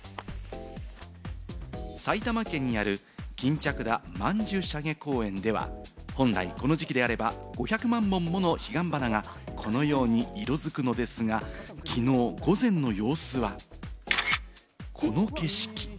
埼玉県にある、巾着田曼珠沙華公園では、本来この時期であれば５００万本もの彼岸花がこのように色づくのですが、きのう午前の様子はこの景色。